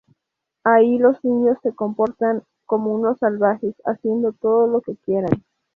Ahí los niños se comportan como unos Salvajes, haciendo todo lo que quieran.